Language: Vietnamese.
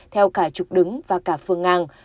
theo cả trục đứng và cả phương ngang